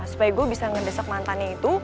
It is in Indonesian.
supaya gue bisa ngedesak mantannya itu